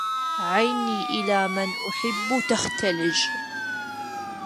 عيني إلى من أحب تختلج